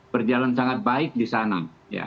berjalan sangat baik di sana